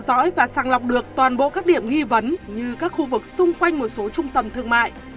theo dõi và sàng lọc được toàn bộ các điểm nghi vấn như các khu vực xung quanh một số trung tâm thương mại